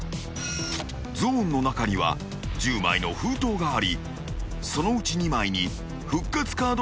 ［ゾーンの中には１０枚の封筒がありそのうち２枚に復活カードが入っている］